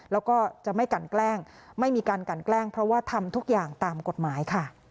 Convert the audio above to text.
และก็จะไม่กันแกล้งไม่มีการกันแกล้งทำทุกอย่างตามคลุมกฎหมายค่ะ